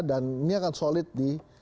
dan ini akan solid di